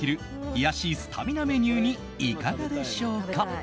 冷やしスタミナメニューにいかがでしょうか？